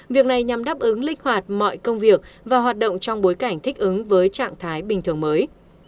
việc này nhằm đáp ứng linh hoạt mọi công việc và hoạt động trong bối cảnh thích ứng với trạng thái bình thường mới